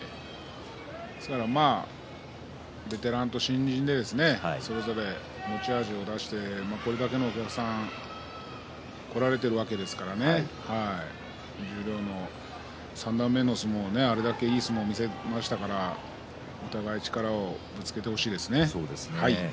ですからベテランと新人でそれぞれ持ち味を出してこれだけのお客さん来られているわけですからね三段目の相撲あれだけいい相撲を見せましたからお互い力をぶつけてほしいですね。